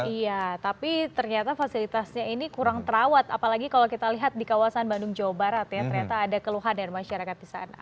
iya tapi ternyata fasilitasnya ini kurang terawat apalagi kalau kita lihat di kawasan bandung jawa barat ya ternyata ada keluhan dari masyarakat di sana